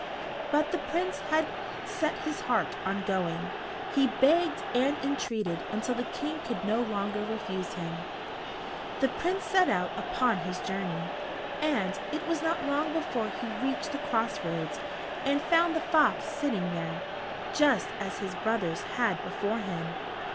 But the Prince had set his heart on going. He begged and entreated until the King could no longer refuse him. The Prince set out upon his journey, and it was not long before he reached the cross roads, and found the fox sitting there, just as his brothers had before him.